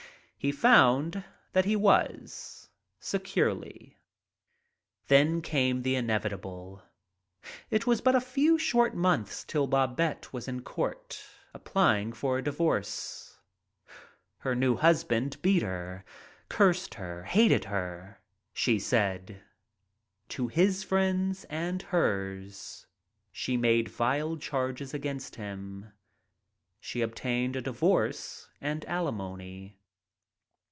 He found that he was — securely* Then came the inevitable. It was but a few short months till Babette was in court applying for a diyorce. Her new husband beat her, cursed her, her, she said. To his friends and hers she made vile charges against him. She obtained a divorce and alimony.